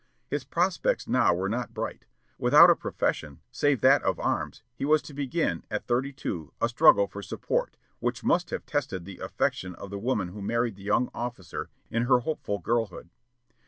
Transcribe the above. His prospects now were not bright. Without a profession, save that of arms, he was to begin, at thirty two, a struggle for support, which must have tested the affection of the woman who married the young officer in her hopeful girlhood.